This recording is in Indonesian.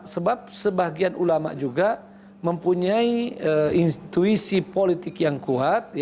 sebab sebagian ulama juga mempunyai intuisi politik yang kuat